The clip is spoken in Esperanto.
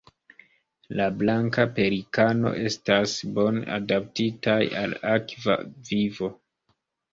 La Blanka pelikano estas bone adaptitaj al akva vivo.